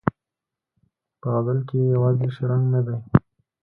په غزل کې یې یوازې شرنګ نه دی.